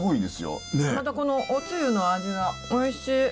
またこのおつゆの味がおいしい。